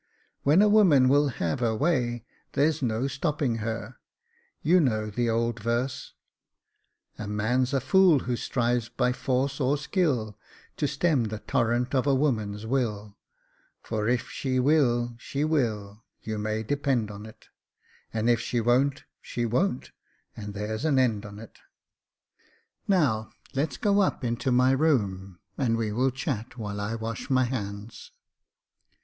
When a woman will have her way, there's no stopping her : you know the old verse — "A man's a fool who strives by force or skill To stem the torrent of a woman's will ; For if she will, she will, you may depend on't, And if she won't, she won't — and there's an end on't. " Now let's go up into my room, and v/e will chat while I wash my hands."